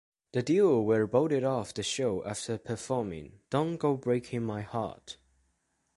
The duo were voted off the show after performing "Don't Go Breaking My Heart".